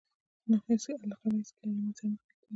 نو هغه به هېڅکله له ماتې سره نه مخ کېږي